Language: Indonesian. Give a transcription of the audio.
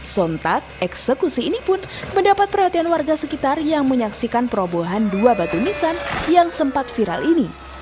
sontak eksekusi ini pun mendapat perhatian warga sekitar yang menyaksikan perobohan dua batu nisan yang sempat viral ini